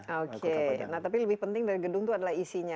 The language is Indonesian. oke nah tapi lebih penting dari gedung itu adalah isinya